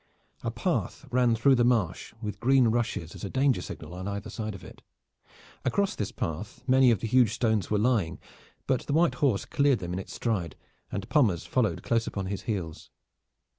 A path ran through the marsh with green rushes as a danger signal on either side of it. Across this path many of the huge stones were lying, but the white horse cleared them in its stride and Pommers followed close upon his heels.